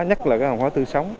nhất là cái hàng hóa tư sống